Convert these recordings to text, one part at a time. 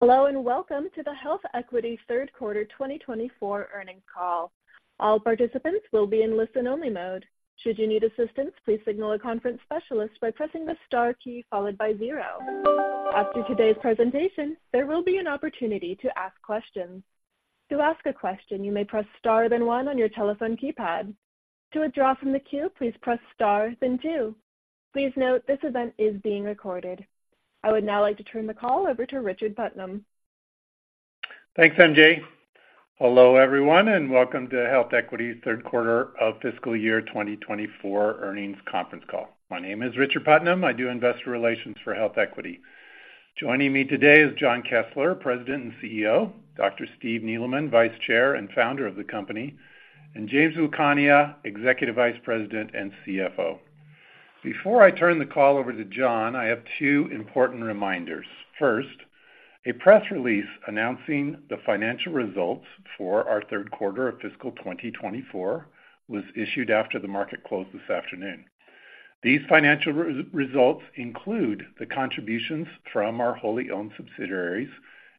Hello, and welcome to the HealthEquity third quarter 2024 earnings call. All participants will be in listen-only mode. Should you need assistance, please signal a conference specialist by pressing the star key followed by zero. After today's presentation, there will be an opportunity to ask questions. To ask a question, you may press star, then one on your telephone keypad. To withdraw from the queue, please press star, then two. Please note, this event is being recorded. I would now like to turn the call over to Richard Putnam. Thanks, MJ. Hello, everyone, and welcome to HealthEquity's third quarter of fiscal year 2024 earnings conference call. My name is Richard Putnam. I do investor relations for HealthEquity. Joining me today is Jon Kessler, President and CEO, Dr. Steve Neeleman, Vice Chair and founder of the company, and James Lucania, Executive Vice President and CFO. Before I turn the call over to Jon, I have two important reminders. First, a press release announcing the financial results for our third quarter of fiscal 2024 was issued after the market closed this afternoon. These financial results include the contributions from our wholly owned subsidiaries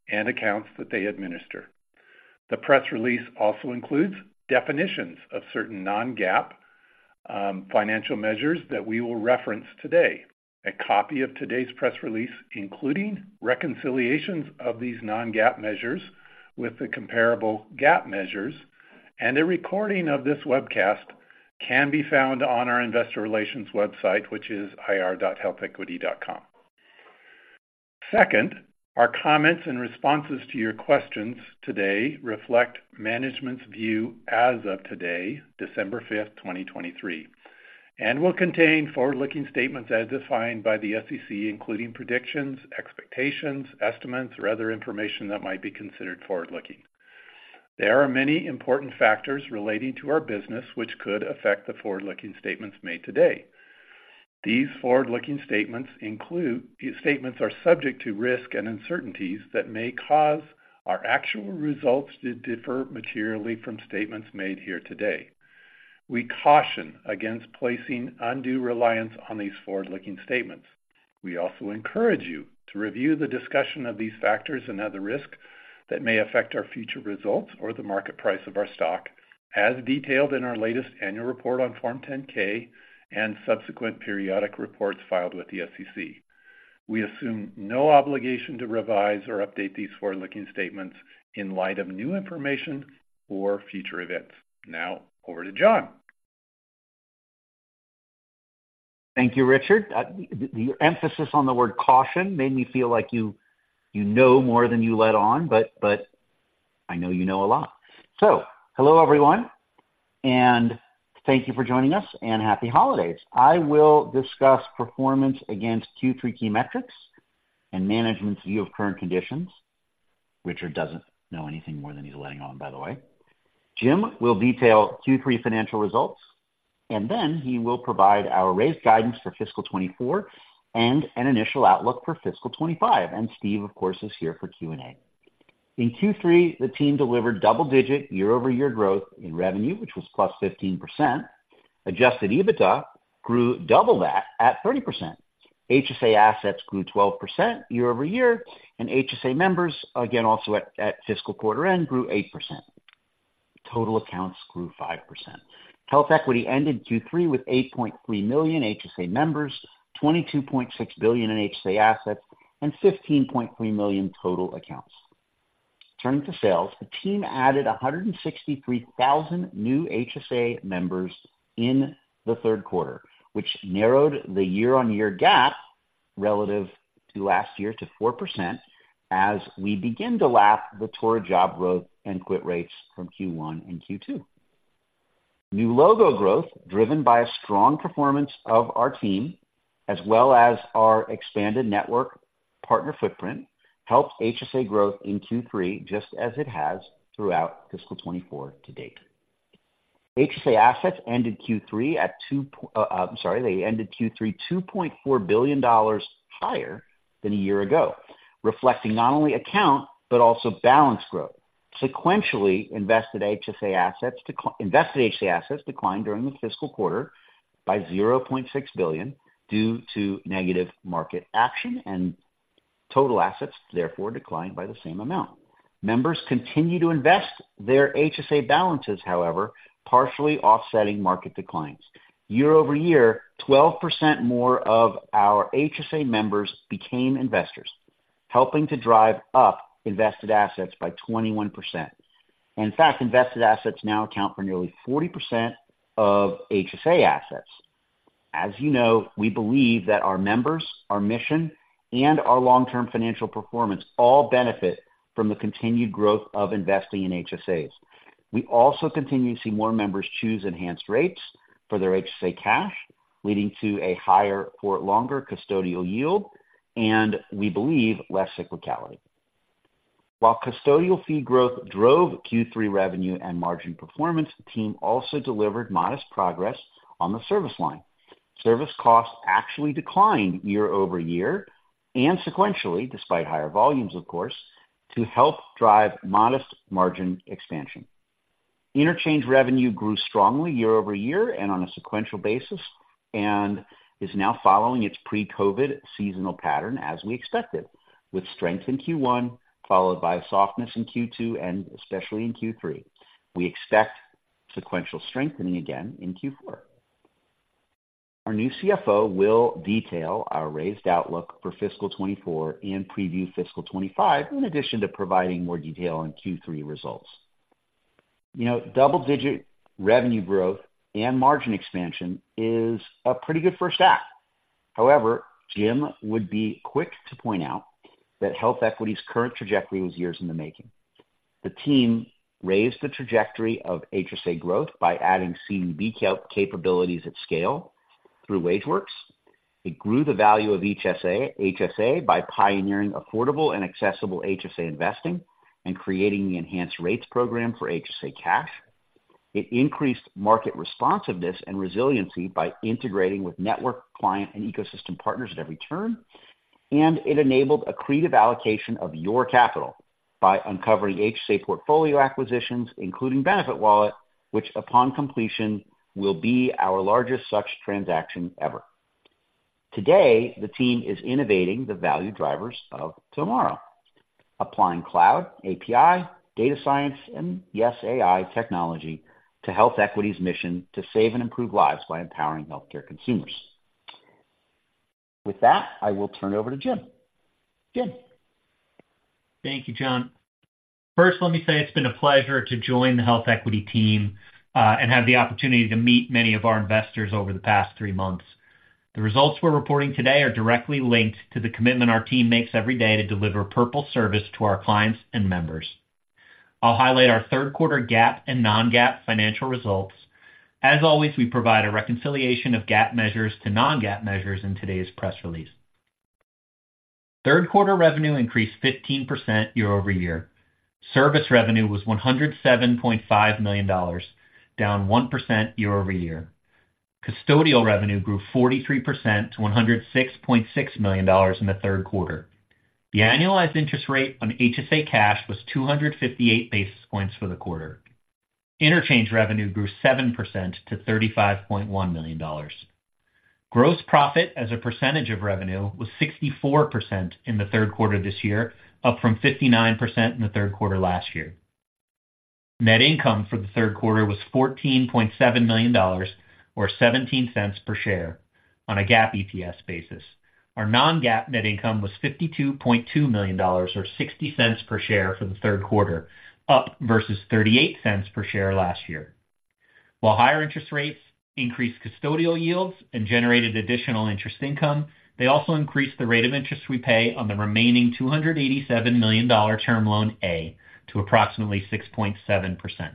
and accounts that they administer. The press release also includes definitions of certain non-GAAP financial measures that we will reference today. A copy of today's press release, including reconciliations of these non-GAAP measures with the comparable GAAP measures, and a recording of this webcast, can be found on our investor relations website, which is ir.healthequity.com. Second, our comments and responses to your questions today reflect management's view as of today, December 5, 2023, and will contain forward-looking statements as defined by the SEC, including predictions, expectations, estimates, or other information that might be considered forward-looking. There are many important factors relating to our business, which could affect the forward-looking statements made today. These forward-looking statements are subject to risk and uncertainties that may cause our actual results to differ materially from statements made here today. We caution against placing undue reliance on these forward-looking statements. We also encourage you to review the discussion of these factors and other risks that may affect our future results or the market price of our stock, as detailed in our latest annual report on Form 10-K and subsequent periodic reports filed with the SEC. We assume no obligation to revise or update these forward-looking statements in light of new information or future events. Now, over to Jon. Thank you, Richard. The emphasis on the word caution made me feel like you know more than you let on, but I know you know a lot. So hello, everyone, and thank you for joining us, and happy holidays. I will discuss performance against Q3 key metrics and management's view of current conditions. Richard doesn't know anything more than he's letting on, by the way. Jim will detail Q3 financial results, and then he will provide our raised guidance for fiscal 2024 and an initial outlook for fiscal 2025. And Steve, of course, is here for Q&A. In Q3, the team delivered double-digit year-over-year growth in revenue, which was +15%. Adjusted EBITDA grew double that, at 30%. HSA assets grew 12% year-over-year, and HSA members, again, also at fiscal quarter end, grew 8%. Total accounts grew 5%. HealthEquity ended Q3 with 8.3 million HSA members, $22.6 billion in HSA assets, and 15.3 million total accounts. Turning to sales, the team added 163,000 new HSA members in the third quarter, which narrowed the year-on-year gap relative to last year to 4%, as we begin to lap the labor job growth and quit rates from Q1 and Q2. New logo growth, driven by a strong performance of our team, as well as our expanded network partner footprint, helped HSA growth in Q3, just as it has throughout fiscal 2024 to date. HSA assets ended Q3 at $2.4 billion higher than a year ago, reflecting not only account, but also balance growth. Sequentially, invested HSA assets declined during the fiscal quarter by $0.6 billion due to negative market action, and total assets therefore declined by the same amount. Members continued to invest their HSA balances, however, partially offsetting market declines. Year-over-year, 12% more of our HSA members became investors, helping to drive up invested assets by 21%. In fact, invested assets now account for nearly 40% of HSA assets. As you know, we believe that our members, our mission, and our long-term financial performance all benefit from the continued growth of investing in HSAs. We also continue to see more members choose enhanced rates for their HSA cash, leading to a higher, for longer, custodial yield, and we believe, less cyclicality. While custodial fee growth drove Q3 revenue and margin performance, the team also delivered modest progress on the service line. Service costs actually declined year-over-year and sequentially, despite higher volumes, of course, to help drive modest margin expansion. Interchange revenue grew strongly year-over-year and on a sequential basis, and is now following its pre-COVID seasonal pattern as we expected, with strength in Q1, followed by a softness in Q2 and especially in Q3. We expect sequential strengthening again in Q4. Our new CFO will detail our raised outlook for fiscal 2024 and preview fiscal 2025, in addition to providing more detail on Q3 results. You know, double-digit revenue growth and margin expansion is a pretty good first act. However, Jim would be quick to point out that HealthEquity's current trajectory was years in the making. The team raised the trajectory of HSA growth by adding CDB capabilities at scale through WageWorks. It grew the value of HSA, HSA by pioneering affordable and accessible HSA investing and creating the Enhanced Rates program for HSA cash. It increased market responsiveness and resiliency by integrating with network, client, and ecosystem partners at every turn, and it enabled accretive allocation of your capital by uncovering HSA portfolio acquisitions, including BenefitWallet, which, upon completion, will be our largest such transaction ever. Today, the team is innovating the value drivers of tomorrow, applying cloud, API, data science, and, yes, AI technology to HealthEquity's mission to save and improve lives by empowering healthcare consumers. With that, I will turn it over to James. James? Thank you, Jon. First, let me say it's been a pleasure to join the HealthEquity team, and have the opportunity to meet many of our investors over the past three months. The results we're reporting today are directly linked to the commitment our team makes every day to deliver Purple Service to our clients and members. I'll highlight our third quarter GAAP and non-GAAP financial results. As always, we provide a reconciliation of GAAP measures to non-GAAP measures in today's press release. Third quarter revenue increased 15% year-over-year. Service revenue was $107.5 million, down 1% year-over-year. Custodial revenue grew 43% to $106.6 million in the third quarter. The annualized interest rate on HSA cash was 258 basis points for the quarter. Interchange revenue grew 7% to $35.1 million. Gross profit as a percentage of revenue was 64% in the third quarter this year, up from 59% in the third quarter last year. Net income for the third quarter was $14.7 million, or 17 cents per share on a GAAP EPS basis. Our non-GAAP net income was $52.2 million, or 60 cents per share for the third quarter, up versus 38 cents per share last year. While higher interest rates increased custodial yields and generated additional interest income, they also increased the rate of interest we pay on the remaining $287 million Term Loan A to approximately 6.7%.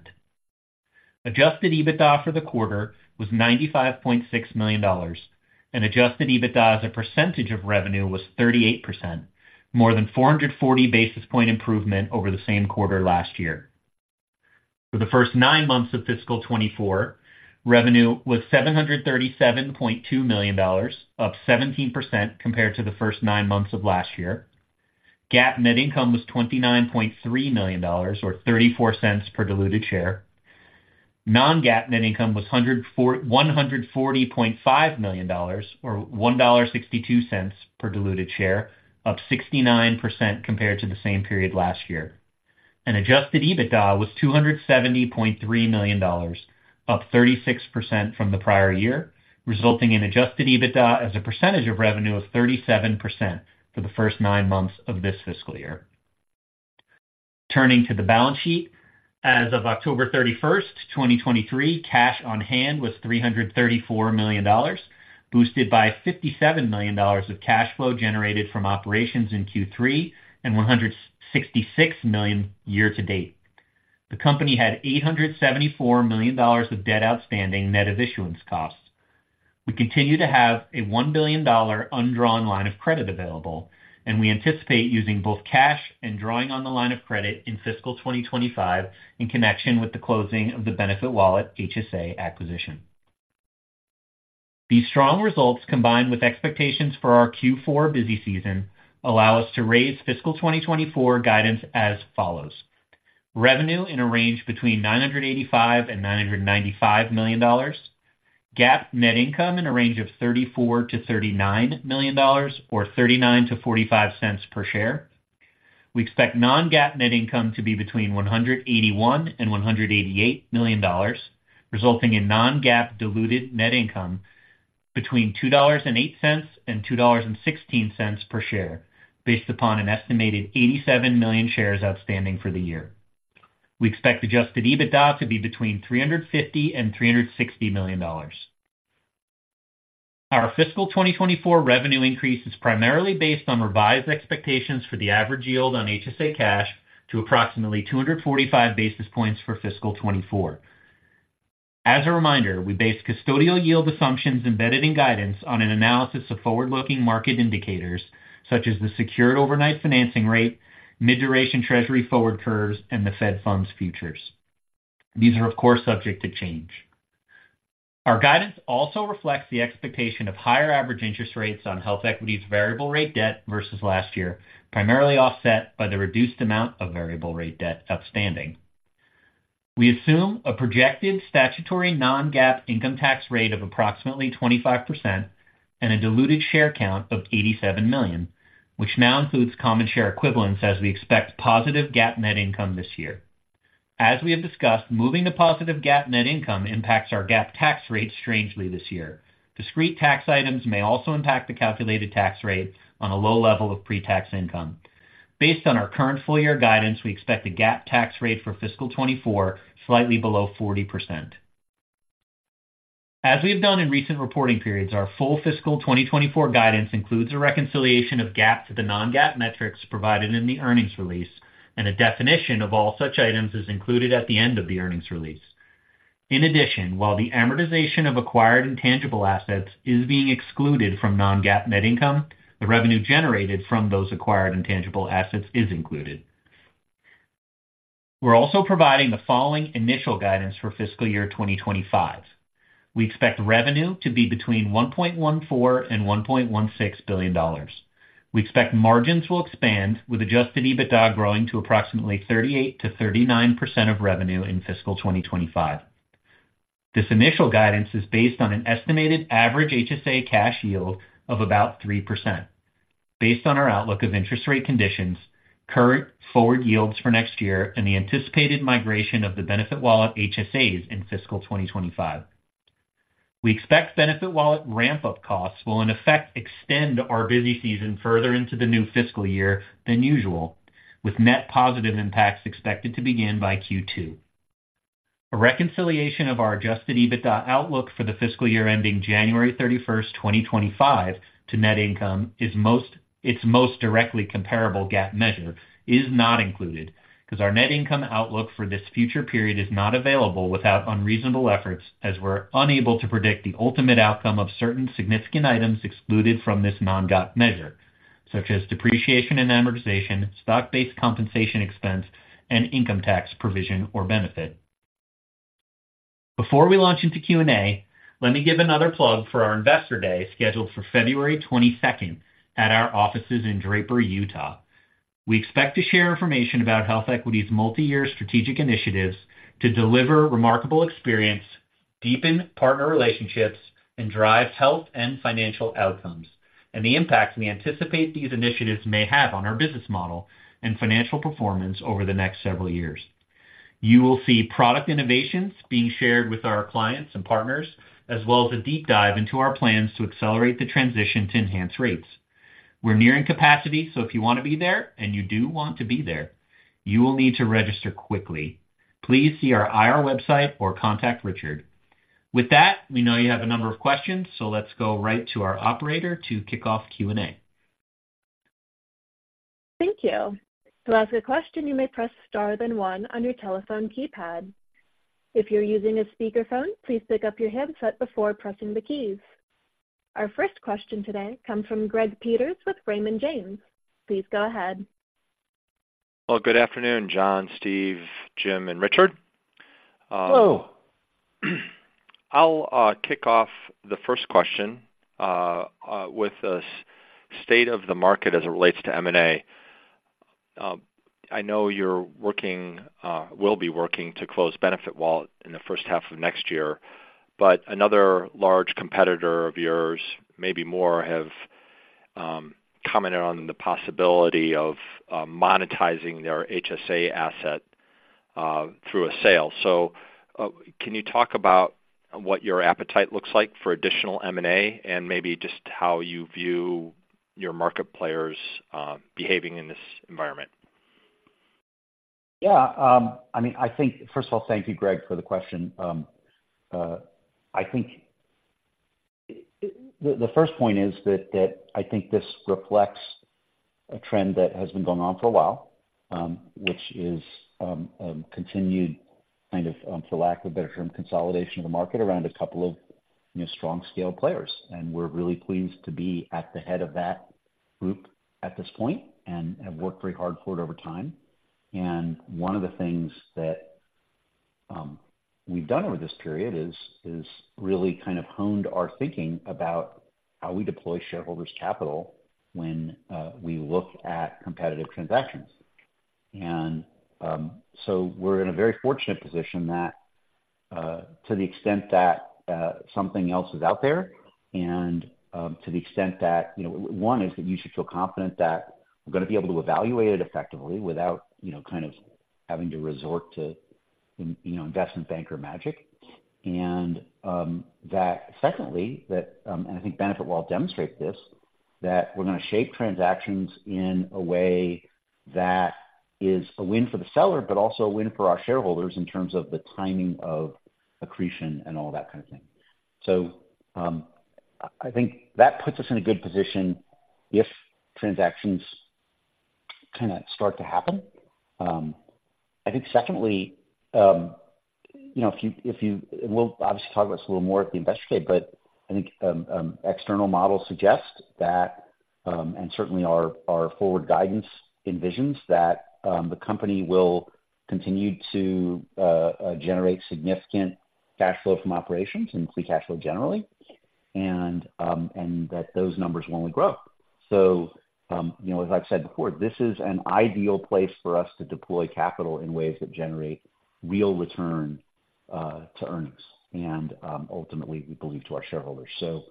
Adjusted EBITDA for the quarter was $95.6 million, and adjusted EBITDA as a percentage of revenue was 38%, more than 440 basis point improvement over the same quarter last year. For the first nine months of fiscal 2024, revenue was $737.2 million, up 17% compared to the first nine months of last year. GAAP net income was $29.3 million, or $0.34 per diluted share. Non-GAAP net income was one hundred and forty point five million, or $1.62 per diluted share, up 69% compared to the same period last year. Adjusted EBITDA was $273 million, up 36% from the prior year, resulting in adjusted EBITDA as a percentage of revenue of 37% for the first nine months of this fiscal year. Turning to the balance sheet. As of October 31, 2023, cash on hand was $334 million, boosted by $57 million of cash flow generated from operations in Q3, and $166 million year to date. The company had $874 million of debt outstanding, net of issuance costs. We continue to have a $1 billion undrawn line of credit available, and we anticipate using both cash and drawing on the line of credit in fiscal 2025 in connection with the closing of the BenefitWallet HSA acquisition. These strong results, combined with expectations for our Q4 busy season, allow us to raise fiscal 2024 guidance as follows: Revenue in a range between $985 million and $995 million. GAAP net income in a range of $34 million-$39 million or $0.39-$0.45 per share. We expect non-GAAP net income to be between $181 million and $188 million, resulting in non-GAAP diluted net income between $2.08 and $2.16 per share, based upon an estimated 87 million shares outstanding for the year. We expect adjusted EBITDA to be between $350 million and $360 million. Our fiscal 2024 revenue increase is primarily based on revised expectations for the average yield on HSA cash to approximately 245 basis points for fiscal 2024. As a reminder, we base custodial yield assumptions embedded in guidance on an analysis of forward-looking market indicators, such as the Secured Overnight Financing Rate, mid-duration treasury forward curves, and the Fed Funds Futures. These are, of course, subject to change....Our guidance also reflects the expectation of higher average interest rates on HealthEquity's variable rate debt versus last year, primarily offset by the reduced amount of variable rate debt outstanding. We assume a projected statutory Non-GAAP income tax rate of approximately 25% and a diluted share count of 87 million, which now includes common share equivalents, as we expect positive GAAP net income this year. As we have discussed, moving to positive GAAP net income impacts our GAAP tax rate strangely this year. Discrete tax items may also impact the calculated tax rate on a low level of pre-tax income. Based on our current full year guidance, we expect a GAAP tax rate for fiscal 2024 slightly below 40%. As we have done in recent reporting periods, our full fiscal 2024 guidance includes a reconciliation of GAAP to the non-GAAP metrics provided in the earnings release, and a definition of all such items is included at the end of the earnings release. In addition, while the amortization of acquired intangible assets is being excluded from non-GAAP net income, the revenue generated from those acquired intangible assets is included. We're also providing the following initial guidance for fiscal year 2025. We expect revenue to be between $1.14 billion and $1.16 billion. We expect margins will expand, with Adjusted EBITDA growing to approximately 38%-39% of revenue in fiscal 2025. This initial guidance is based on an estimated average HSA cash yield of about 3%. Based on our outlook of interest rate conditions, current forward yields for next year, and the anticipated migration of the BenefitWallet HSAs in fiscal 2025. We expect BenefitWallet ramp-up costs will, in effect, extend our busy season further into the new fiscal year than usual, with net positive impacts expected to begin by Q2. A reconciliation of our Adjusted EBITDA outlook for the fiscal year ending January 31, 2025, to net income is its most directly comparable GAAP measure is not included, 'cause our net income outlook for this future period is not available without unreasonable efforts, as we're unable to predict the ultimate outcome of certain significant items excluded from this non-GAAP measure, such as depreciation and amortization, stock-based compensation expense, and income tax provision or benefit. Before we launch into Q&A, let me give another plug for our Investor Day, scheduled for February 22nd at our offices in Draper, Utah. We expect to share information about HealthEquity's multi-year strategic initiatives to deliver remarkable experience, deepen partner relationships, and drive health and financial outcomes, and the impact we anticipate these initiatives may have on our business model and financial performance over the next several years. You will see product innovations being shared with our clients and partners, as well as a deep dive into our plans to accelerate the transition to enhanced rates. We're nearing capacity, so if you want to be there, and you do want to be there, you will need to register quickly. Please see our IR website or contact Richard. With that, we know you have a number of questions, so let's go right to our operator to kick off Q&A. Thank you. To ask a question, you may press Star, then one on your telephone keypad. If you're using a speakerphone, please pick up your handset before pressing the keys. Our first question today comes from Greg Peters with Raymond James. Please go ahead. Well, good afternoon, Jon, Steve, Jim, and Richard. Hello. I'll kick off the first question with the state of the market as it relates to M&A. I know you're working, will be working to close BenefitWallet in the first half of next year, but another large competitor of yours, maybe more, have commented on the possibility of monetizing their HSA asset through a sale. So, can you talk about what your appetite looks like for additional M&A, and maybe just how you view your market players behaving in this environment? Yeah, I mean, I think, first of all, thank you, Greg, for the question. I think the first point is that I think this reflects a trend that has been going on for a while, which is continued, kind of, for lack of a better term, consolidation of the market around a couple of, you know, strong scale players. And we're really pleased to be at the head of that group at this point and have worked very hard for it over time. And one of the things that we've done over this period is really kind of honed our thinking about how we deploy shareholders' capital when we look at competitive transactions. So we're in a very fortunate position that, to the extent that something else is out there, and to the extent that, you know, one is that you should feel confident that we're gonna be able to evaluate it effectively without, you know, kind of having to resort to, you know, investment banker magic. And that secondly, that and I think BenefitWallet demonstrates this, that we're gonna shape transactions in a way that is a win for the seller, but also a win for our shareholders in terms of the timing of accretion and all that kind of thing. So I think that puts us in a good position if transactions kind of start to happen. I think secondly, you know, we'll obviously talk about this a little more at the Investor Day, but I think, external models suggest that, and certainly our forward guidance envisions that, the company will continue to generate significant cash flow from operations and free cash flow generally, and that those numbers will only grow. So, you know, as I've said before, this is an ideal place for us to deploy capital in ways that generate real return to earnings, and ultimately, we believe, to our shareholders. So,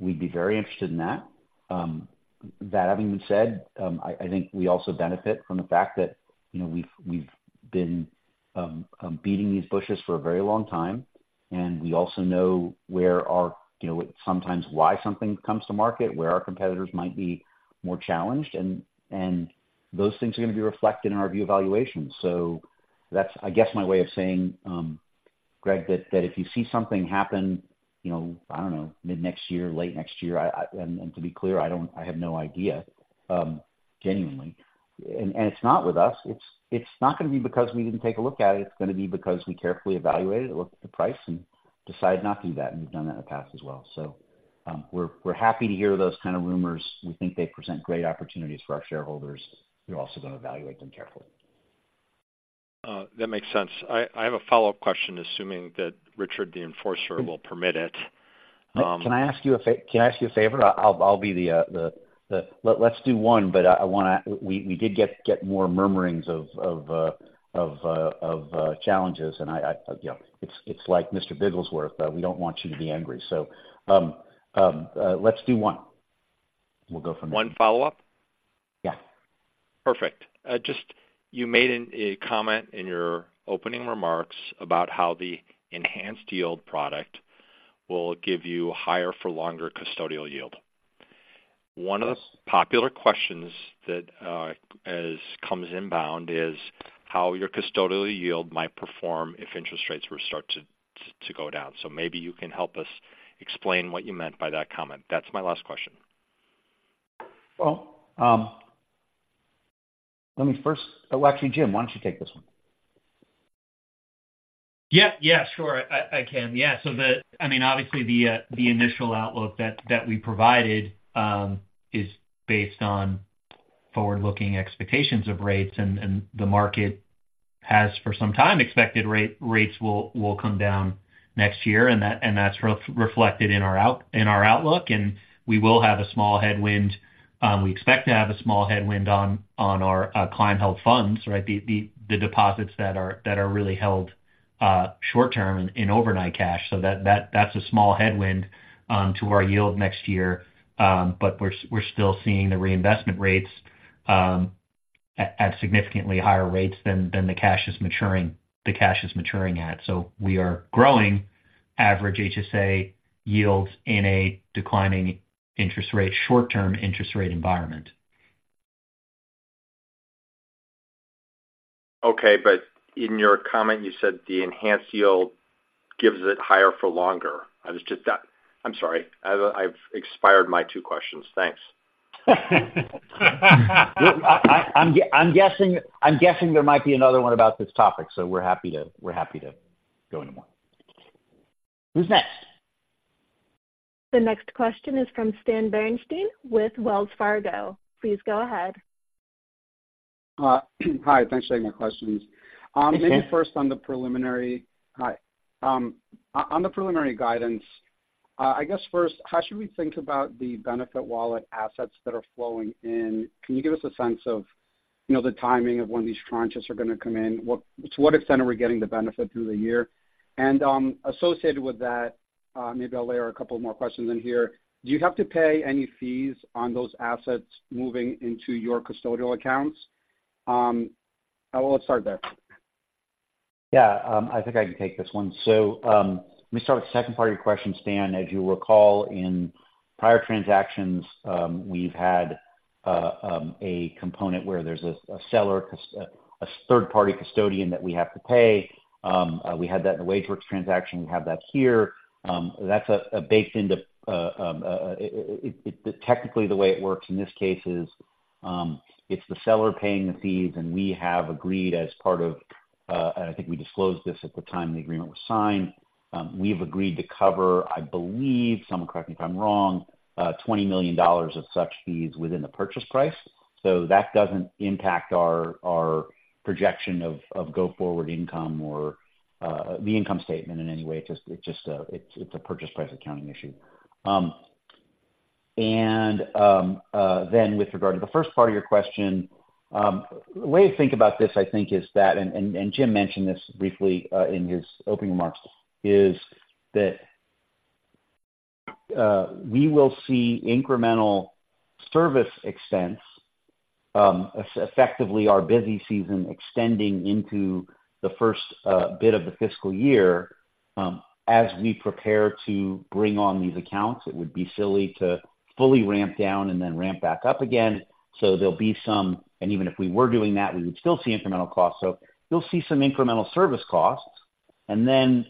we'd be very interested in that. That having been said, I think we also benefit from the fact that, you know, we've been beating these bushes for a very long time, and we also know where our, you know, sometimes why something comes to market, where our competitors might be more challenged, and those things are going to be reflected in our view evaluation. So that's, I guess, my way of saying, Greg, that if you see something happen, you know, I don't know, mid-next year, late next year, and to be clear, I don't, I have no idea, genuinely. And it's not with us, it's not going to be because we didn't take a look at it. It's going to be because we carefully evaluated it, looked at the price, and decided not to do that, and we've done that in the past as well. So, we're happy to hear those kind of rumors. We think they present great opportunities for our shareholders. We're also going to evaluate them carefully. That makes sense. I have a follow-up question, assuming that Richard, the enforcer, will permit it. Can I ask you a favor? I'll be the... Let's do one, but I wanna—we did get more murmurings of challenges, and I, you know, it's like Mr. Bigglesworth, we don't want you to be angry. So, let's do one. We'll go from there. One follow-up? Yeah. Perfect. Just, you made a comment in your opening remarks about how the enhanced yield product will give you higher for longer custodial yield. One of the popular questions that has come inbound is how your custodial yield might perform if interest rates were to start to go down. So maybe you can help us explain what you meant by that comment. That's my last question. Well, let me first... Well, actually, Jim, why don't you take this one? Yeah, yeah, sure. I can. Yeah, so I mean, obviously, the initial outlook that we provided is based on forward-looking expectations of rates, and the market has, for some time, expected rates will come down next year, and that's reflected in our outlook. And we will have a small headwind, we expect to have a small headwind on our client-held funds, right? The deposits that are really held short term in overnight cash. So that's a small headwind to our yield next year. But we're still seeing the reinvestment rates at significantly higher rates than the cash is maturing at. We are growing average HSA yields in a declining interest rate, short-term interest rate environment. Okay, but in your comment, you said the enhanced yield gives it higher for longer. I was just... I'm sorry, I've, I've expired my two questions. Thanks. I'm guessing there might be another one about this topic, so we're happy to go into one. Who's next? The next question is from Stan Berenshteyn with Wells Fargo. Please go ahead. Hi, thanks for taking my questions. Mm-hmm. Maybe first on the preliminary guidance, I guess first, how should we think about the BenefitWallet assets that are flowing in? Can you give us a sense of, you know, the timing of when these tranches are going to come in? To what extent are we getting the benefit through the year? And, associated with that, maybe I'll layer a couple more questions in here. Do you have to pay any fees on those assets moving into your custodial accounts? Well, let's start there. Yeah, I think I can take this one. So, let me start with the second part of your question, Stan. As you'll recall, in prior transactions, we've had a component where there's a seller, a third-party custodian that we have to pay. We had that in the WageWorks transaction. We have that here. That's baked into it. Technically, the way it works in this case is, it's the seller paying the fees, and we have agreed as part of, and I think we disclosed this at the time the agreement was signed, we've agreed to cover, I believe, someone correct me if I'm wrong, $20 million of such fees within the purchase price. So that doesn't impact our projection of go-forward income or the income statement in any way. It's just a purchase price accounting issue. Then with regard to the first part of your question, the way to think about this, I think, is that James mentioned this briefly in his opening remarks, is that we will see incremental service extents effectively our busy season extending into the first bit of the fiscal year. As we prepare to bring on these accounts, it would be silly to fully ramp down and then ramp back up again. So there'll be some... And even if we were doing that, we would still see incremental costs. So you'll see some incremental service costs, and then,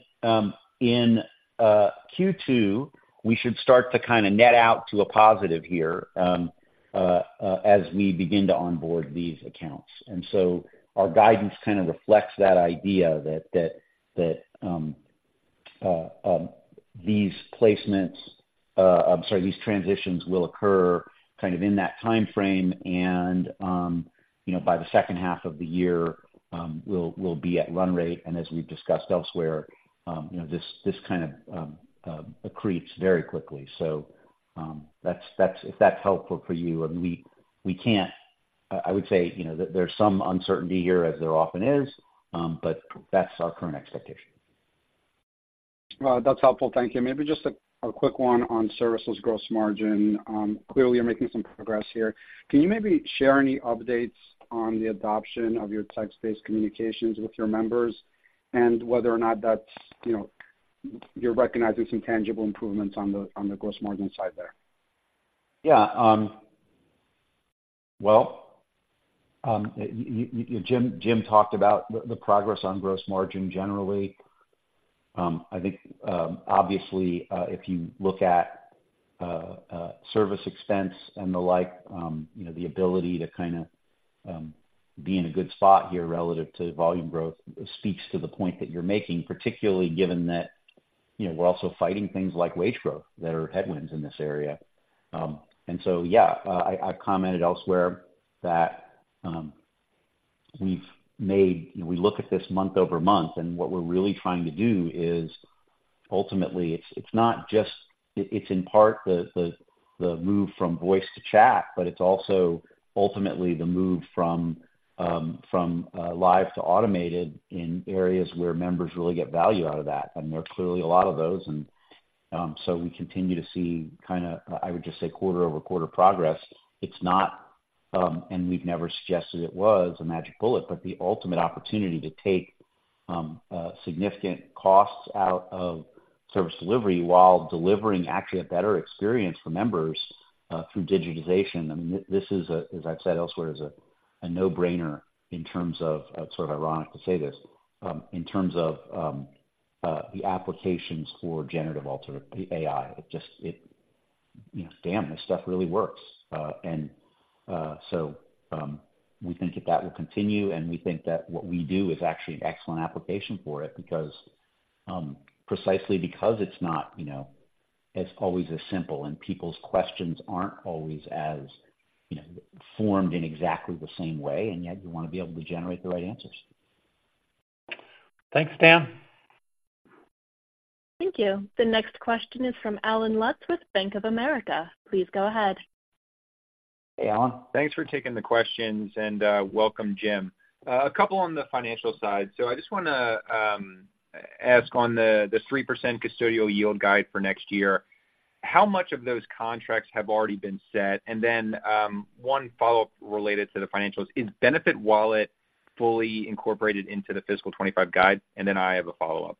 in Q2, we should start to kind of net out to a positive here, as we begin to onboard these accounts. And so our guidance kind of reflects that idea that these transitions will occur kind of in that timeframe, and, you know, by the second half of the year, we'll be at run rate. And as we've discussed elsewhere, you know, this kind of accretes very quickly. So, that's if that's helpful for you, I mean, we can't, I would say, you know, there's some uncertainty here, as there often is, but that's our current expectation. Well, that's helpful. Thank you. Maybe just a quick one on services gross margin. Clearly, you're making some progress here. Can you maybe share any updates on the adoption of your text-based communications with your members and whether or not that's, you know, you're recognizing some tangible improvements on the gross margin side there? Yeah, well, you, James, talked about the progress on gross margin generally. I think, obviously, if you look at service expense and the like, you know, the ability to kinda be in a good spot here relative to volume growth speaks to the point that you're making, particularly given that, you know, we're also fighting things like wage growth that are headwinds in this area. And so, yeah, I commented elsewhere that we look at this month-over-month, and what we're really trying to do is, ultimately, it's not just the move from voice to chat, but it's also ultimately the move from live to automated in areas where members really get value out of that, and there are clearly a lot of those. And so we continue to see kinda I would just say, quarter-over-quarter progress. It's not, and we've never suggested it was, a magic bullet, but the ultimate opportunity to take significant costs out of service delivery while delivering actually a better experience for members through digitization. I mean, this is a, as I've said elsewhere, a no-brainer in terms of, sort of ironic to say this, in terms of, the applications for generative AI. It just. You know, damn, this stuff really works. And so, we think that that will continue, and we think that what we do is actually an excellent application for it, because, precisely because it's not, you know, always as simple, and people's questions aren't always as, you know, formed in exactly the same way, and yet you want to be able to generate the right answers. Thanks,. Thank you. The next question is from Allen Lutz with Bank of America. Please go ahead. Hey, Alan. Thanks for taking the questions, and welcome, Jim. A couple on the financial side. So I just wanna ask on the 3% custodial yield guide for next year, how much of those contracts have already been set? And then one follow-up related to the financials, is BenefitWallet fully incorporated into the fiscal 2025 guide? And then I have a follow-up.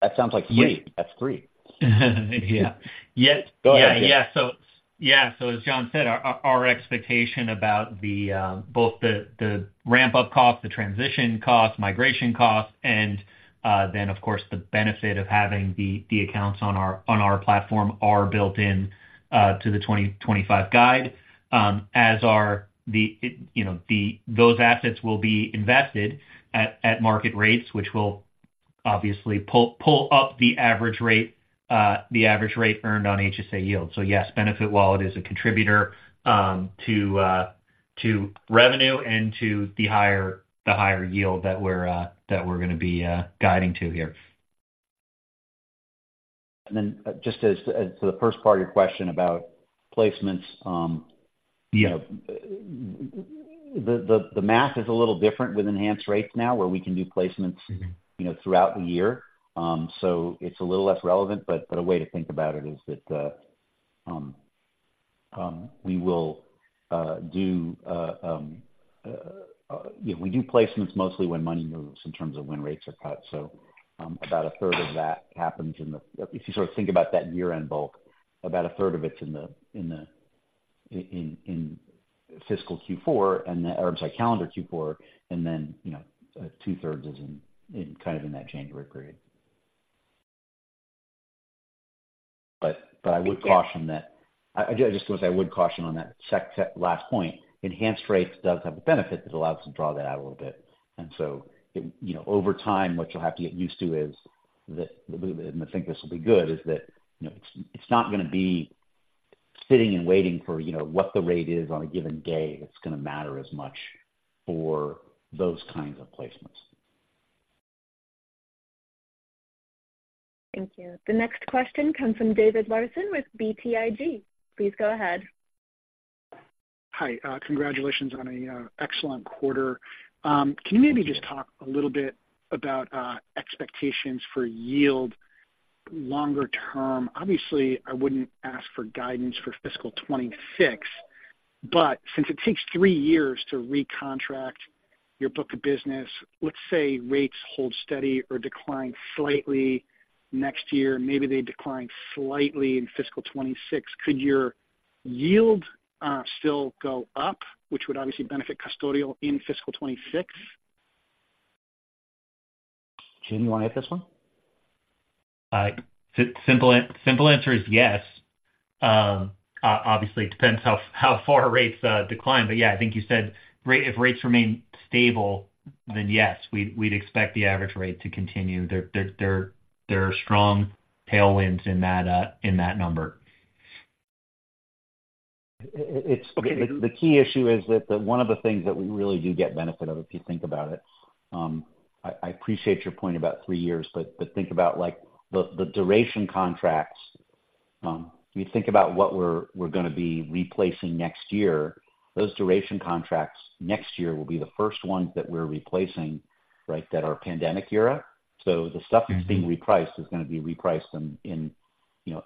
That sounds like three. That's three. Yeah. Yeah- Go ahead. Yeah, yeah. So, yeah, so as Jon said, our expectation about both the ramp-up costs, the transition costs, migration costs, and then, of course, the benefit of having the accounts on our platform are built in to the 2025 guide, as are the, you know, the, those assets will be invested at market rates, which will obviously pull up the average rate, the average rate earned on HSA yield. So yes, BenefitWallet is a contributor to revenue and to the higher yield that we're gonna be guiding to here. And then just as to the first part of your question about placements, Yeah. The math is a little different with Enhanced Rates now, where we can do placements- Mm-hmm. - you know, throughout the year. So it's a little less relevant, but a way to think about it is that we do placements mostly when money moves in terms of when rates are cut. So, about a third of that happens in the... If you sort of think about that year-end bulk, about a third of it's in the fiscal Q4 and the, or I'm sorry, calendar Q4, and then, you know, two thirds is in kind of in that January period. But I would caution that. I just wanna say, I would caution on that second last point. Enhanced Rates does have a benefit that allows us to draw that out a little bit. You know, over time, what you'll have to get used to is that, and I think this will be good, is that, you know, it's not gonna be sitting and waiting for, you know, what the rate is on a given day. It's gonna matter as much for those kinds of placements. Thank you. The next question comes from David Larsen with BTIG. Please go ahead. Hi, congratulations on an excellent quarter. Can you maybe just talk a little bit about expectations for yield longer term? Obviously, I wouldn't ask for guidance for fiscal 2026, but since it takes 3 years to recontract your book of business, let's say rates hold steady or decline slightly next year, maybe they decline slightly in fiscal 2026, could your yield still go up, which would obviously benefit custodial in fiscal 2026? Jim, you wanna hit this one?... Simple, simple answer is yes. Obviously, it depends how far rates decline. But yeah, I think you said rates—if rates remain stable, then yes, we'd expect the average rate to continue. There are strong tailwinds in that number. It's the key issue is that one of the things that we really do get benefit of, if you think about it, I appreciate your point about three years, but think about, like, the duration contracts. You think about what we're gonna be replacing next year, those duration contracts next year will be the first ones that we're replacing, right, that are pandemic era. So the stuff that's being repriced is gonna be repriced in, you know,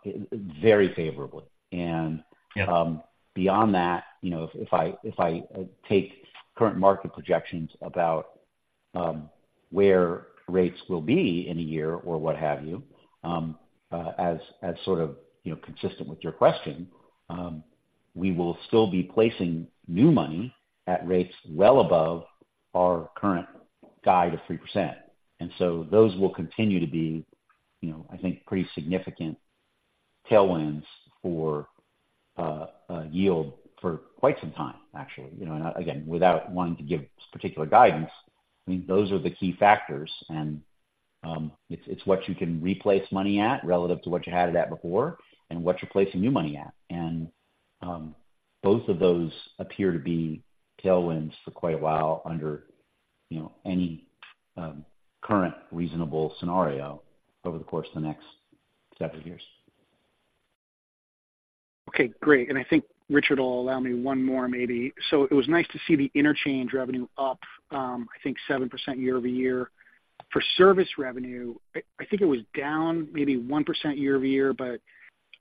very favorably. And- Yeah. Beyond that, you know, if I take current market projections about where rates will be in a year or what have you, as sort of, you know, consistent with your question, we will still be placing new money at rates well above our current guide of 3%. And so those will continue to be, you know, I think, pretty significant tailwinds for a yield for quite some time, actually. You know, and again, without wanting to give particular guidance, I mean, those are the key factors, and it's what you can replace money at relative to what you had it at before and what you're placing new money at. Both of those appear to be tailwinds for quite a while under, you know, any current reasonable scenario over the course of the next several years. Okay, great. And I think Richard will allow me one more maybe. So it was nice to see the interchange revenue up, I think 7% year-over-year. For service revenue, I think it was down maybe 1% year-over-year, but,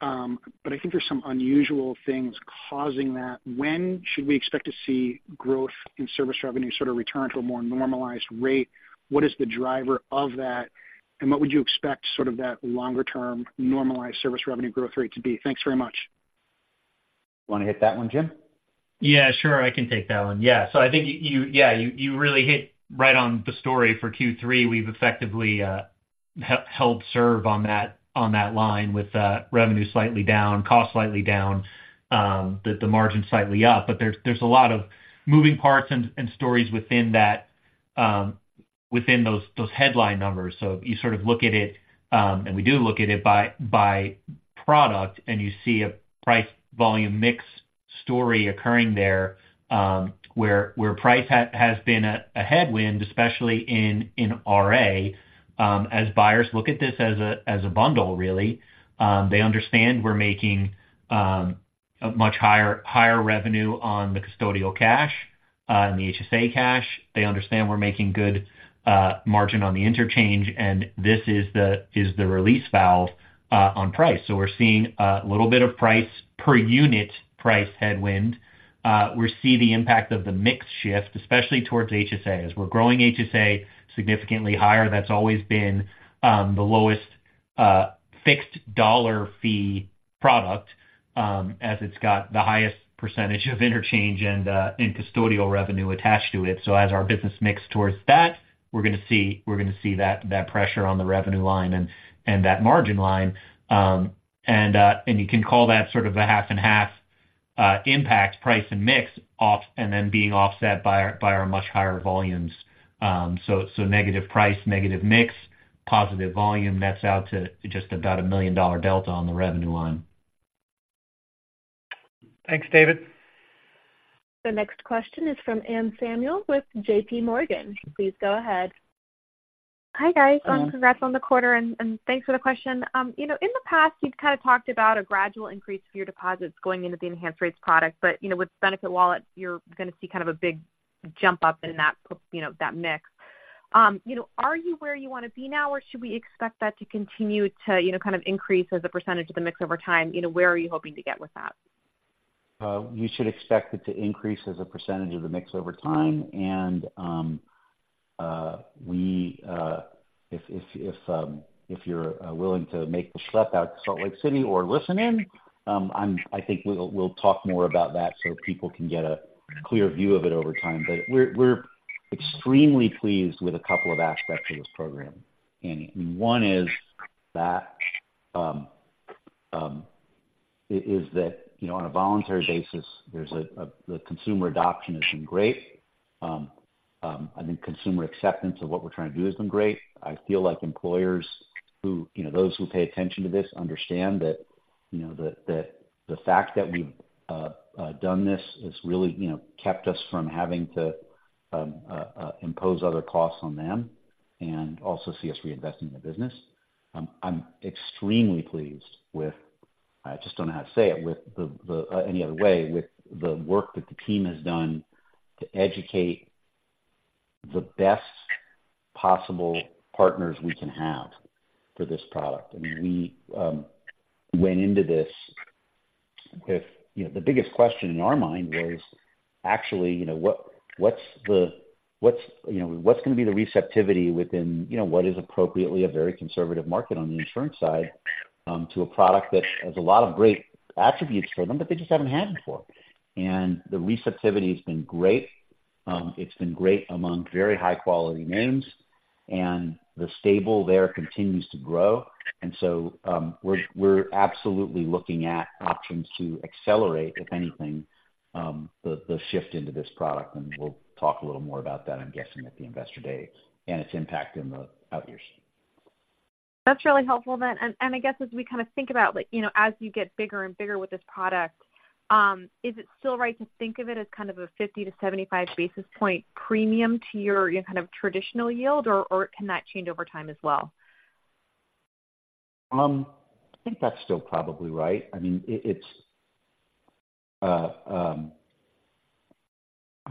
but I think there's some unusual things causing that. When should we expect to see growth in service revenue sort of return to a more normalized rate? What is the driver of that, and what would you expect sort of that longer-term normalized service revenue growth rate to be? Thanks very much. Wanna hit that one, James? Yeah, sure. I can take that one. Yeah. So I think you really hit right on the story for Q3. We've effectively held serve on that line with revenue slightly down, cost slightly down, the margin slightly up. But there's a lot of moving parts and stories within those headline numbers. So you sort of look at it and we do look at it by product, and you see a price volume mix story occurring there where price has been a headwind, especially in HRA. As buyers look at this as a bundle, really, they understand we're making a much higher revenue on the custodial cash and the HSA cash. They understand we're making good margin on the interchange, and this is the release valve on price. So we're seeing a little bit of price per unit price headwind. We're seeing the impact of the mix shift, especially towards HSA. As we're growing HSA significantly higher, that's always been the lowest fixed dollar fee product, as it's got the highest percentage of interchange and custodial revenue attached to it. So as our business mix towards that, we're gonna see that pressure on the revenue line and that margin line. And you can call that sort of a half and half impact, price and mix, and then being offset by our much higher volumes. So, negative price, negative mix, positive volume, that's out to just about a $1 million delta on the revenue line. Thanks, David. The next question is from Anne Samuel with JPMorgan. Please go ahead. Hi, guys. Hi. Congrats on the quarter, and thanks for the question. You know, in the past, you've kind of talked about a gradual increase of your deposits going into the Enhanced Rates product, but, you know, with BenefitWallet, you're gonna see kind of a big jump up in that, you know, that mix. You know, are you where you want to be now, or should we expect that to continue to, you know, kind of increase as a percentage of the mix over time? You know, where are you hoping to get with that? You should expect it to increase as a percentage of the mix over time, and if you're willing to make the slip out to Salt Lake City or listen in, I think we'll talk more about that so people can get a clear view of it over time. But we're extremely pleased with a couple of aspects of this program. And one is that, you know, on a voluntary basis, there's the consumer adoption has been great. I think consumer acceptance of what we're trying to do has been great. I feel like employers who, you know, those who pay attention to this, understand that, you know, that, that the fact that we've done this has really, you know, kept us from having to impose other costs on them and also see us reinvesting in the business. I'm extremely pleased with... I just don't know how to say it, with the, the any other way, with the work that the team has done to educate the best possible partners we can have for this product. I mean, we went into this with, you know, the biggest question in our mind was actually, you know, what, what's the, what's, you know, what's gonna be the receptivity within, you know, what is appropriately a very conservative market on the insurance side?... To a product that has a lot of great attributes for them, but they just haven't had it before. And the receptivity has been great. It's been great among very high quality names, and the stable there continues to grow. And so, we're absolutely looking at options to accelerate, if anything, the shift into this product, and we'll talk a little more about that, I'm guessing, at the Investor Day, and its impact in the out years. That's really helpful then. And I guess, as we kind of think about, like, you know, as you get bigger and bigger with this product, is it still right to think of it as kind of a 50-75 basis point premium to your kind of traditional yield, or can that change over time as well? I think that's still probably right. I mean, I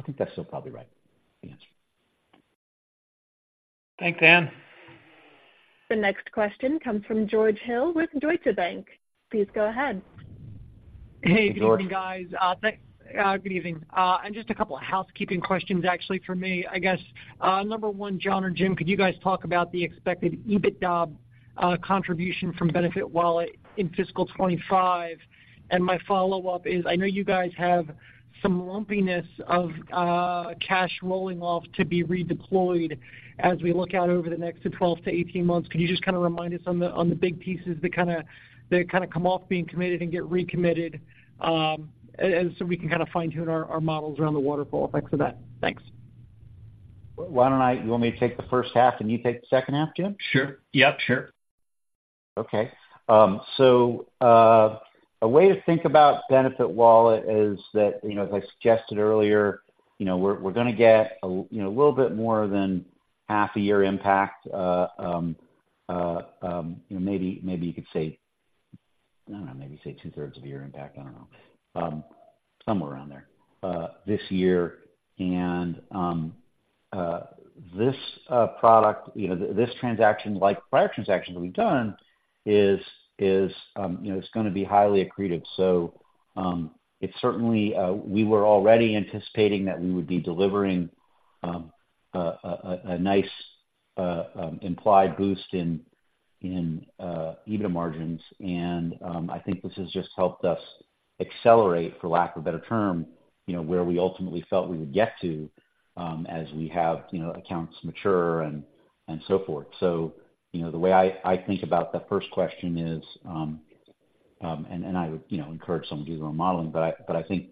think that's still probably right. Yes. Thanks, Anne. The next question comes from George Hill with Deutsche Bank. Please go ahead. Hey, good evening, guys. George. Good evening. And just a couple of housekeeping questions, actually, for me, I guess. Number one, Jon or James, could you guys talk about the expected EBITDA contribution from BenefitWallet in fiscal 25? And my follow-up is, I know you guys have some lumpiness of cash rolling off to be redeployed as we look out over the next to 12-8 months. Could you just kind of remind us on the big pieces that kind of come off being committed and get recommitted, so we can kind of fine-tune our models around the waterfall? Thanks for that. Thanks. Why don't I... You want me to take the first half, and you take the second half, Jim? Sure. Yep, sure. Okay. So, a way to think about BenefitWallet is that, you know, as I suggested earlier, you know, we're gonna get a little bit more than half a year impact. You know, maybe you could say, I don't know, maybe say two-thirds of a year impact, I don't know, somewhere around there, this year. And this product, you know, this transaction, like prior transactions we've done, is, you know, it's gonna be highly accretive. So, it's certainly we were already anticipating that we would be delivering a nice implied boost in EBITDA margins. I think this has just helped us accelerate, for lack of a better term, you know, where we ultimately felt we would get to, as we have, you know, accounts mature and so forth. So, you know, the way I think about the first question is, and I would, you know, encourage some to do their own modeling. But I think,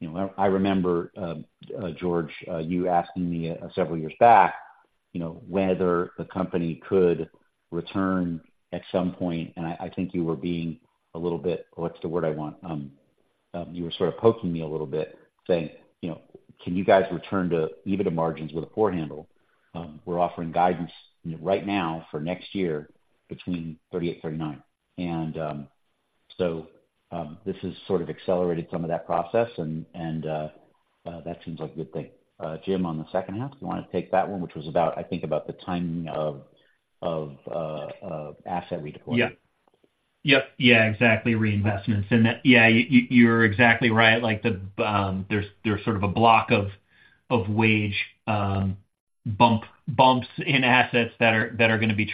you know, I remember, George, you asking me, several years back, you know, whether the company could return at some point, and I think you were being a little bit, what's the word I want? You were sort of poking me a little bit, saying, "You know, can you guys return to EBITDA margins with a poor handle?" We're offering guidance right now for next year between 38%-39%. This has sort of accelerated some of that process, and that seems like a good thing. Jim, on the second half, you want to take that one, which was about, I think, about the timing of asset redeployment? Yep. Yep. Yeah, exactly, reinvestments. And that, yeah, you, you, you're exactly right. Like the, there's, there's sort of a block of WageWorks bumps in assets that are, that are gonna be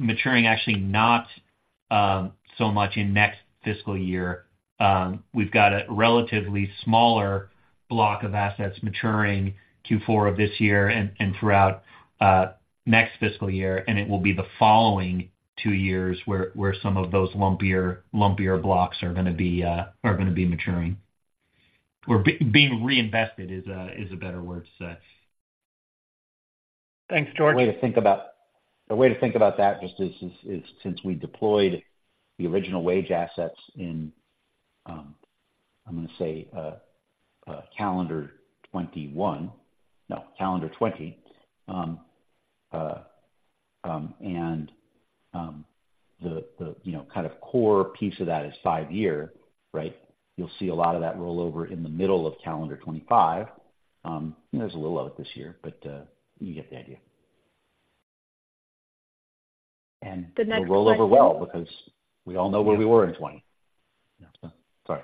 maturing actually not so much in next fiscal year. We've got a relatively smaller block of assets maturing Q4 of this year and throughout next fiscal year, and it will be the following two years, where some of those lumpier, lumpier blocks are gonna be maturing, or being reinvested is a better word to say. Thanks, George. A way to think about that just is since we deployed the original WageWorks assets in, I'm gonna say, calendar 2021—no, calendar 2020, and the you know kind of core piece of that is five-year, right? You'll see a lot of that roll over in the middle of calendar 2025. There's a little out this year, but you get the idea. The next question- And it'll roll over well, because we all know where we were in 2020. Yeah, so sorry.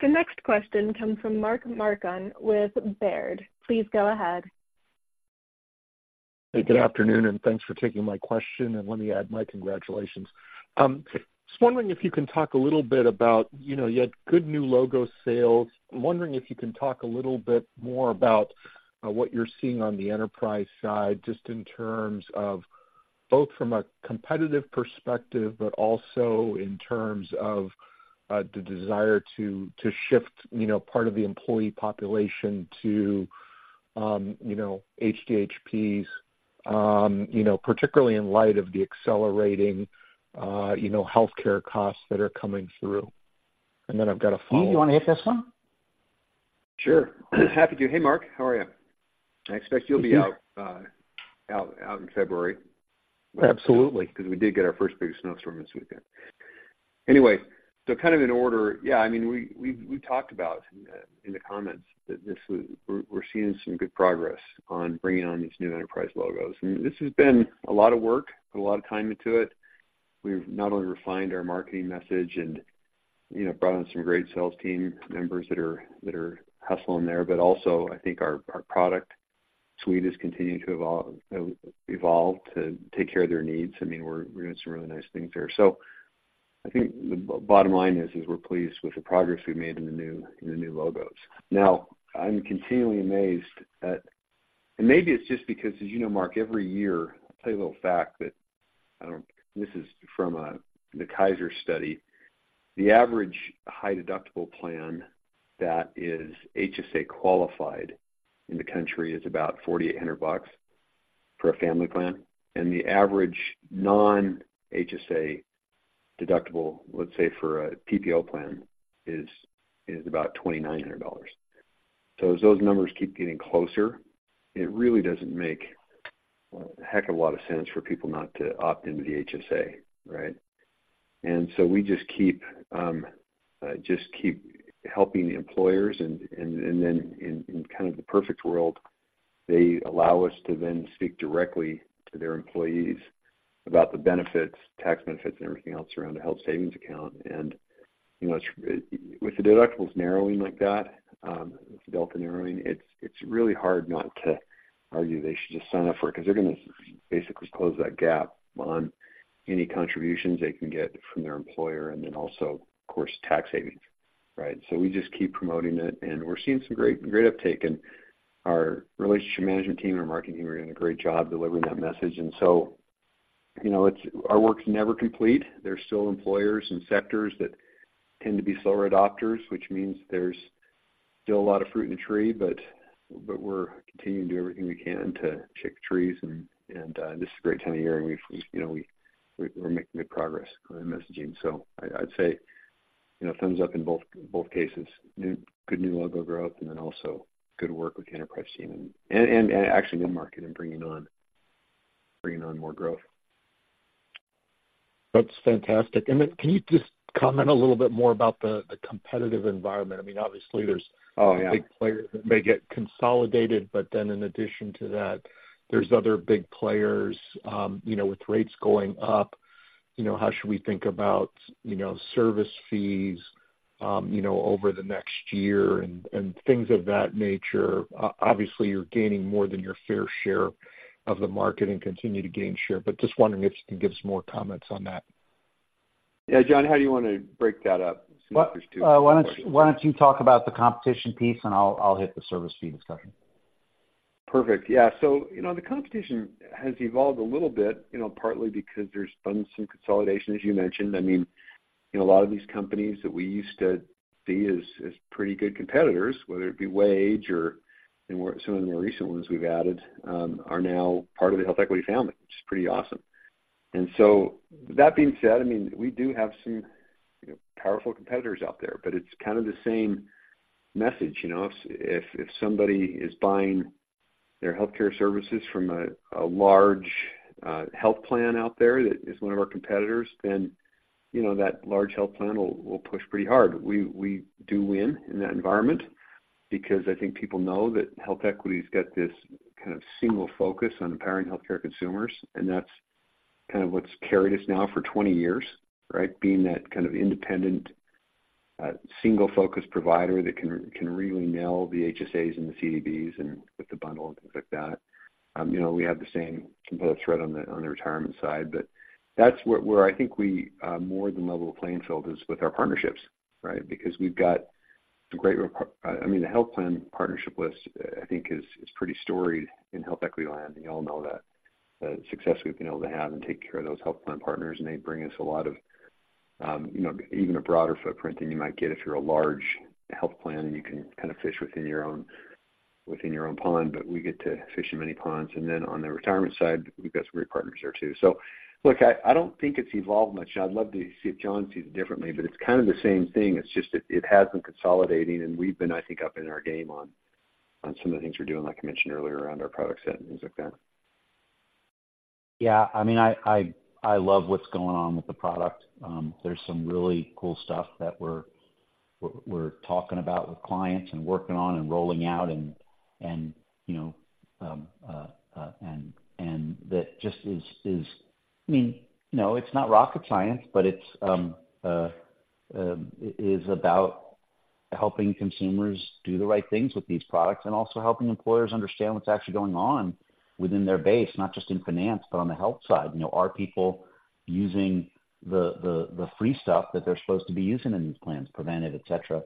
The next question comes from Mark Marcon with Baird. Please go ahead. Hey, good afternoon, and thanks for taking my question, and let me add my congratulations. Just wondering if you can talk a little bit about, you know, you had good new logo sales. I'm wondering if you can talk a little bit more about, what you're seeing on the enterprise side, just in terms of both from a competitive perspective, but also in terms of, the desire to shift, you know, part of the employee population to, you know, HDHPs, you know, particularly in light of the accelerating, you know, healthcare costs that are coming through. And then I've got a follow- Jim, you want to take this one? Sure. Happy to. Hey, Mark, how are you? I expect you'll be out in February. Absolutely. Because we did get our first big snowstorm this weekend. Anyway, so kind of in order, yeah, I mean, we talked about in the comments that this was... We're seeing some good progress on bringing on these new enterprise logos. And this has been a lot of work, put a lot of time into it. We've not only refined our marketing message and-... you know, brought in some great sales team members that are, that are hustling there. But also, I think our, our product suite is continuing to evolve, evolve to take care of their needs. I mean, we're, we're doing some really nice things there. So I think the bottom line is, is we're pleased with the progress we've made in the new, in the new logos. Now, I'm continually amazed at, and maybe it's just because, as you know, Mark, every year, I'll tell you a little fact that this is from the Kaiser study. The average high deductible plan that is HSA qualified in the country is about $4,800 for a family plan, and the average non-HSA deductible, let's say, for a PPO plan, is, is about $2,900. So as those numbers keep getting closer, it really doesn't make a heck of a lot of sense for people not to opt into the HSA, right? And so we just keep helping the employers, and then in kind of the perfect world, they allow us to then speak directly to their employees about the benefits, tax benefits, and everything else around a health savings account. And, you know, it's with the deductibles narrowing like that, with the delta narrowing, it's really hard not to argue they should just sign up for it, 'cause they're gonna basically close that gap on any contributions they can get from their employer, and then also, of course, tax savings, right? So we just keep promoting it, and we're seeing some great, great uptake, and our relationship management team and our marketing are doing a great job delivering that message. And so, you know, it's our work's never complete. There's still employers and sectors that tend to be slower adopters, which means there's still a lot of fruit in the tree, but, but we're continuing to do everything we can to shake the trees, and, and this is a great time of year, and we've, you know, we're making good progress on the messaging. So I'd say, you know, thumbs up in both, both cases. Good new logo growth, and then also good work with the enterprise team, and actually mid-market in bringing on more growth. That's fantastic. And then can you just comment a little bit more about the, the competitive environment? I mean, obviously, there's- Oh, yeah Big players that may get consolidated, but then in addition to that, there's other big players. You know, with rates going up, you know, how should we think about, you know, service fees, you know, over the next year and, and things of that nature? Obviously, you're gaining more than your fair share of the market and continue to gain share, but just wondering if you can give us more comments on that. Yeah. John, how do you want to break that up since there's two- Why don't you talk about the competition piece, and I'll hit the service fee discussion? Perfect. Yeah, so, you know, the competition has evolved a little bit, you know, partly because there's been some consolidation, as you mentioned. I mean, you know, a lot of these companies that we used to see as pretty good competitors, whether it be WageWorks or some of the more recent ones we've added, are now part of the HealthEquity family, which is pretty awesome. And so that being said, I mean, we do have some, you know, powerful competitors out there, but it's kind of the same message, you know. If somebody is buying their healthcare services from a large health plan out there that is one of our competitors, then, you know, that large health plan will push pretty hard. We do win in that environment because I think people know that HealthEquity's got this kind of single focus on empowering healthcare consumers, and that's kind of what's carried us now for 20 years, right? Being that kind of independent single focus provider that can really nail the HSAs and the CDBs and with the bundle and things like that. You know, we have the same competitive threat on the retirement side, but that's where I think we more than level the playing field is with our partnerships, right? Because we've got a great, I mean, the health plan partnership list, I think is pretty storied in HealthEquity land, and you all know that, the success we've been able to have and take care of those health plan partners, and they bring us a lot of, you know, even a broader footprint than you might get if you're a large health plan, and you can kind of fish within your own, within your own pond. But we get to fish in many ponds. And then on the retirement side, we've got some great partners there, too. So look, I don't think it's evolved much, and I'd love to see if Jon sees it differently, but it's kind of the same thing. It's just that it has been consolidating, and we've been, I think, upping our game on, on some of the things we're doing, like I mentioned earlier, around our product set and things like that. Yeah, I mean, I love what's going on with the product. There's some really cool stuff that we're talking about with clients and working on and rolling out, and you know, and that just is... I mean, you know, it's not rocket science, but it is about helping consumers do the right things with these products and also helping employers understand what's actually going on within their base, not just in finance, but on the health side. You know, are people using the free stuff that they're supposed to be using in these plans, preventive, et cetera?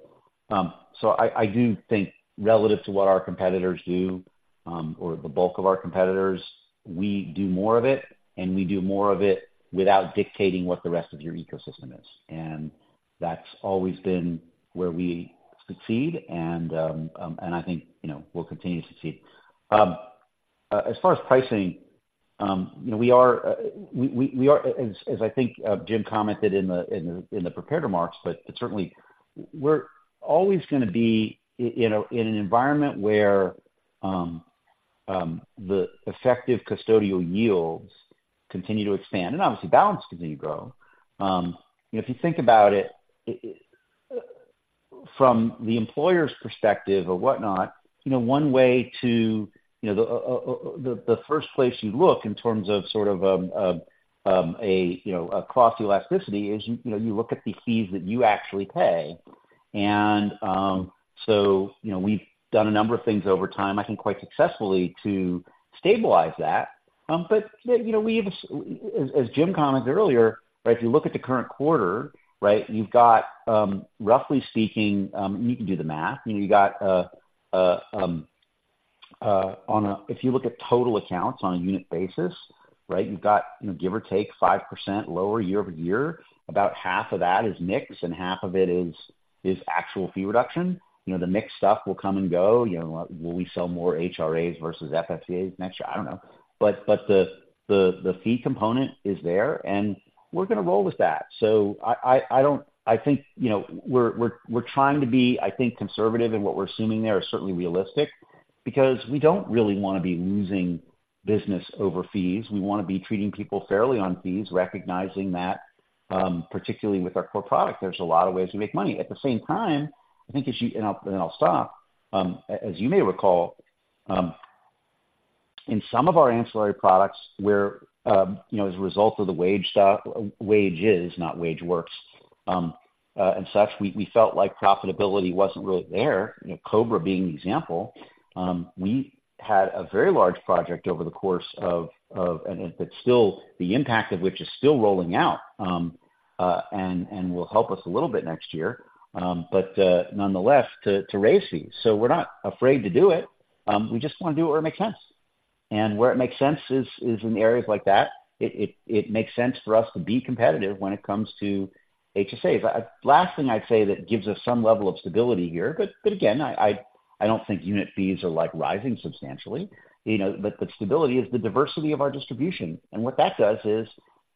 So I do think relative to what our competitors do, or the bulk of our competitors, we do more of it, and we do more of it without dictating what the rest of your ecosystem is. And that's always been where we succeed, and I think, you know, we'll continue to succeed. As far as pricing, you know, we are as I think Jim commented in the prepared remarks, but certainly we're always gonna be in an environment where the effective custodial yields continue to expand and obviously balance continue to grow. You know, if you think about it, it. From the employer's perspective or whatnot, you know, one way to, you know, the first place you look in terms of sort of a cost elasticity is, you know, you look at the fees that you actually pay. So, you know, we've done a number of things over time, I think, quite successfully, to stabilize that. But, you know, we've, as Jim commented earlier, right, if you look at the current quarter, right, you've got, roughly speaking, you can do the math. You know, if you look at total accounts on a unit basis, right, you've got, you know, give or take, 5% lower year-over-year. About half of that is mix, and half of it is actual fee reduction. You know, the mix stuff will come and go. You know, will we sell more HRAs versus FSAs next year? I don't know. But the fee component is there, and we're gonna roll with that. So I don't... I think, you know, we're trying to be, I think, conservative in what we're assuming there, certainly realistic, because we don't really wanna be losing business over fees. We wanna be treating people fairly on fees, recognizing that, particularly with our core product, there's a lot of ways we make money. At the same time, I think as you... And I'll stop. As you may recall, in some of our ancillary products, where, you know, as a result of the WageWorks, and such, we felt like profitability wasn't really there, you know, COBRA being the example. We had a very large project over the course of, but still, the impact of which is still rolling out, and will help us a little bit next year. But nonetheless, to raise fees. So we're not afraid to do it. We just wanna do it where it makes sense. And where it makes sense is in areas like that. It makes sense for us to be competitive when it comes to HSAs. Last thing I'd say that gives us some level of stability here, but again, I don't think unit fees are, like, rising substantially, you know, but the stability is the diversity of our distribution. And what that does is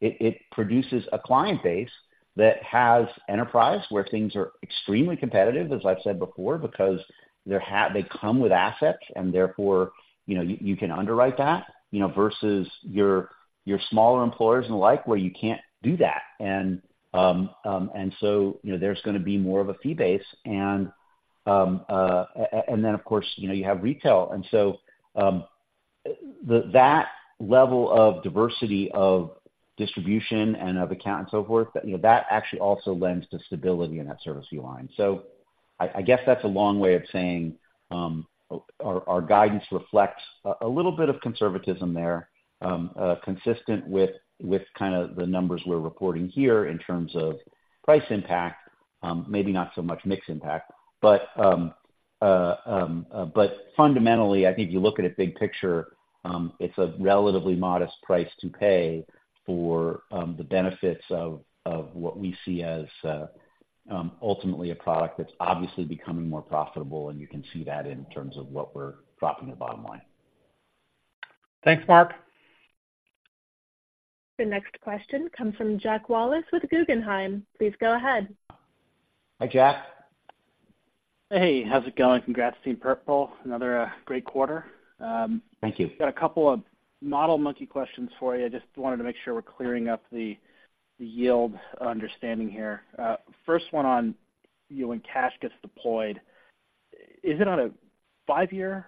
it produces a client base that has enterprise, where things are extremely competitive, as I've said before, because they come with assets, and therefore, you know, you can underwrite that, you know, versus your smaller employers and the like, where you can't do that. And, and so, you know, there's gonna be more of a fee base. And, and then, of course, you know, you have retail. And so, that level of diversity of distribution and of account and so forth, you know, that actually also lends to stability in that service fee line. So I, I guess that's a long way of saying, our, our guidance reflects a, a little bit of conservatism there, consistent with, with kind of the numbers we're reporting here in terms of price impact, maybe not so much mix impact. But, but fundamentally, I think if you look at it big picture, it's a relatively modest price to pay for, the benefits of, of what we see as, ultimately a product that's obviously becoming more profitable, and you can see that in terms of what we're dropping the bottom line. Thanks, Mark. The next question comes from Jack Wallace with Guggenheim. Please go ahead. Hi, Jack. Hey, how's it going? Congrats, Team Purple. Another great quarter. Thank you. Got a couple of model monkey questions for you. I just wanted to make sure we're clearing up the yield understanding here. First one on, you know, when cash gets deployed, is it on a five-year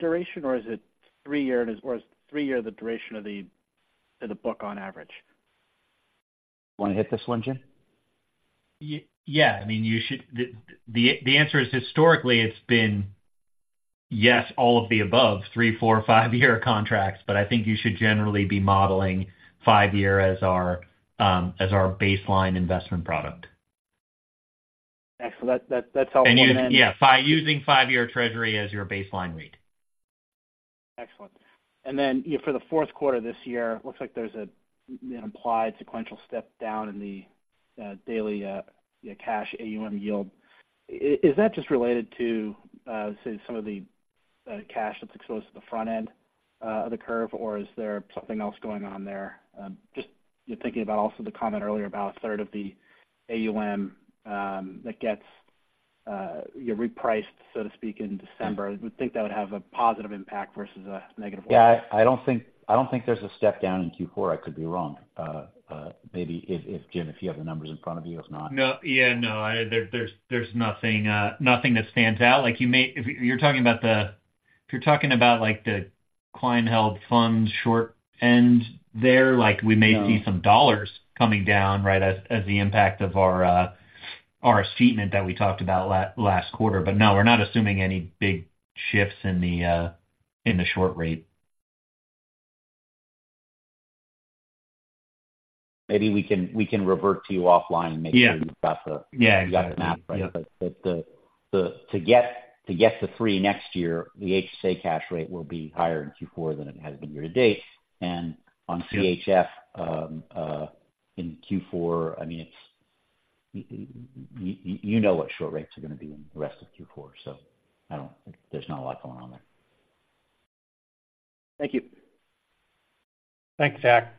duration, or is it three-year, and or is three-year the duration of the book on average? Wanna hit this one, Jim? Yeah. I mean, you should... The answer is historically it's been yes, all of the above, 3-, 4-, 5-year contracts, but I think you should generally be modeling 5-year as our, as our baseline investment product. Excellent. That's all- And, yeah, by using five-year Treasury as your baseline rate. Excellent. And then, you know, for the fourth quarter this year, looks like there's an implied sequential step down in the daily cash AUM yield. Is that just related to, say, some of the cash that's exposed to the front end of the curve, or is there something else going on there? Just, you're thinking about also the comment earlier about a third of the AUM that gets, you know, repriced, so to speak, in December. I would think that would have a positive impact versus a negative one. Yeah. I don't think, I don't think there's a step down in Q4. I could be wrong. Maybe if Jim, if you have the numbers in front of you, if not- No. Yeah, no, there, there's nothing that stands out. Like you may... If you're talking about the—if you're talking about, like, the Client-Held Funds short end there, like we may— No... see some dollars coming down, right, as the impact of our estimate that we talked about last quarter. But no, we're not assuming any big shifts in the short rate. Maybe we can revert to you offline- Yeah And make sure we've got the Yeah. We got the math right. Yeah. But to get to three next year, the HSA cash rate will be higher in Q4 than it has been year to date. Yeah. On CHF, in Q4, I mean, it's, you know what short rates are gonna be in the rest of Q4, so I don't... There's not a lot going on there. Thank you. Thanks, Jack.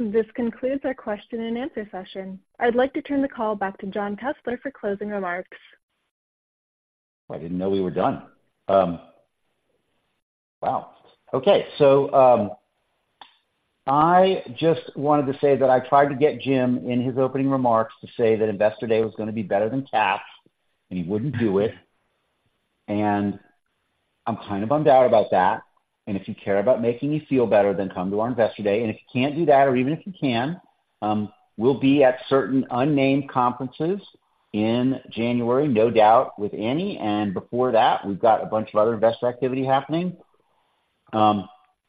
This concludes our question and answer session. I'd like to turn the call back to Jon Kessler for closing remarks. I didn't know we were done. Wow! Okay. So, I just wanted to say that I tried to get James in his opening remarks to say that Investor Day was gonna be better than CAFS, and he wouldn't do it, and I'm kind of bummed out about that. And if you care about making me feel better, then come to our Investor Day. And if you can't do that, or even if you can, we'll be at certain unnamed conferences in January, no doubt with Annie, and before that, we've got a bunch of other investor activity happening.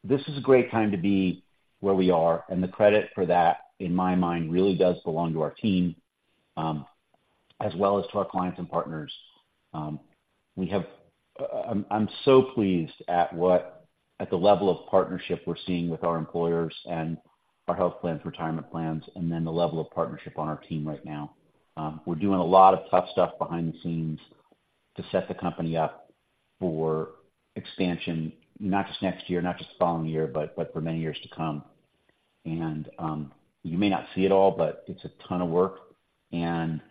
This is a great time to be where we are, and the credit for that, in my mind, really does belong to our team, as well as to our clients and partners. We have... I'm so pleased at the level of partnership we're seeing with our employers and our health plans, retirement plans, and then the level of partnership on our team right now. We're doing a lot of tough stuff behind the scenes to set the company up for expansion, not just next year, not just the following year, but for many years to come. You may not see it all, but it's a ton of work, and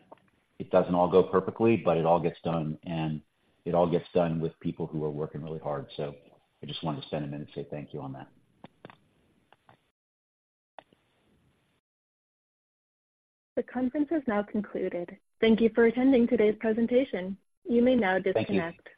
it doesn't all go perfectly, but it all gets done, and it all gets done with people who are working really hard. So I just wanted to spend a minute and say thank you on that. The conference has now concluded. Thank you for attending today's presentation. You may now disconnect.